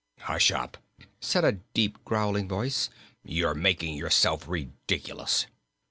"Hush up!" said a deep, growling voice. "You're making yourself ridiculous."